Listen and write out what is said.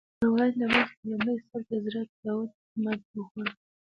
د یو روایت له مخې په لومړي سر کې حضرت داود ماتې وخوړه.